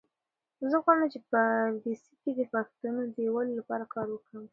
زه غواړم چې په پردیسۍ کې د پښتنو د یووالي لپاره کار وکړم.